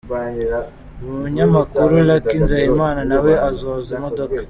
Umunyamakuru Lucky Nzeyimana na we azoza imodoka.